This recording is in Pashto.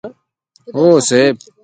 هو صيب!